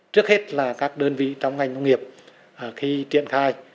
trước hết là các đơn vị trong ngành nông nghiệp khi triển khai